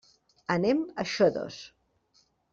Anem a Xodos.